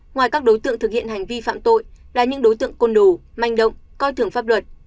ngoài các đối tượng thực hiện hành vi phạm tội là những đối tượng côn đồ manh động coi thường pháp luật